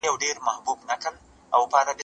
رښتيني دوست د دوست عیبونه په مینه بيانوي.